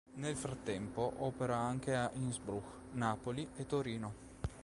Nel frattempo opera anche a Innsbruck, Napoli e Torino.